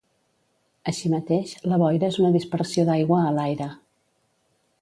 Així mateix, la boira és una dispersió d'aigua a l'aire.